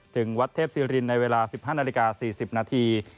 ถึงวัดเทพศิรินในเวลา๑๕นาฬิกา๔๐นาที